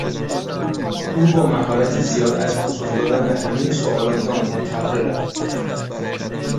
او با مهارت زیاد از پاسخ دادن به همهی سئوالات آنها طفره رفت.